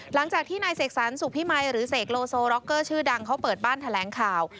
หลังจากที่นายเสกสรรสุพิมัยหรือเสกโลโซร็อกเกอร์ชื่อดังเขาเปิดบ้านแถลงข่าว